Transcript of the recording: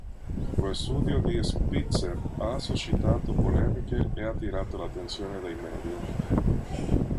Lo studio di Spitzer ha suscitato polemiche e attirato l'attenzione dei media.